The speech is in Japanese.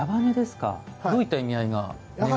どういった意味合い願いが？